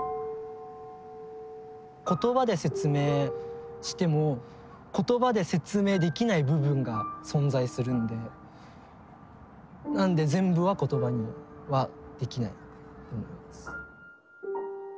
言葉で説明しても言葉で説明できない部分が存在するんでなので全部は言葉にはできないと思います。